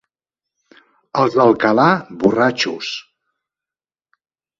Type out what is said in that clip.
Els d'Alcalà, borratxos.